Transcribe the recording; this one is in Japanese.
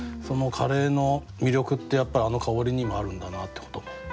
カレーの魅力ってやっぱりあの香りにもあるんだなってことも思ったり。